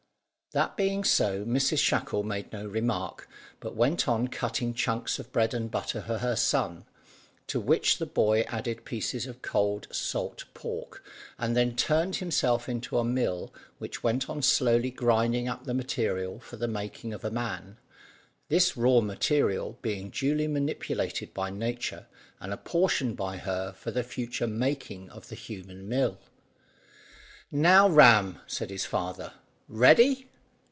That being so, Mrs Shackle made no remark, but went on cutting chunks of bread and butter for her son, to which the boy added pieces of cold salt pork, and then turned himself into a mill which went on slowly grinding up material for the making of a man, this raw material being duly manipulated by nature, and apportioned by her for the future making of the human mill. "Now, Ram," said his father, "ready?"